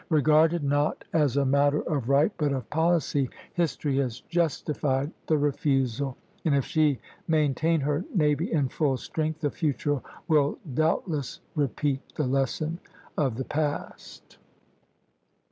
Regarded not as a matter of right, but of policy, history has justified the refusal; and if she maintain her navy in full strength, the future will doubtless repeat the lesson of the past.